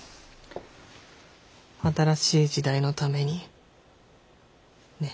新しい時代のためにね。